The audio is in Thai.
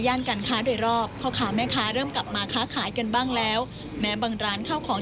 ย่านการครา่อยรอบก็ขอแม้คารึงกลับมาค้าขายกันบ้างแล้วแม้บางร้านเข้าของ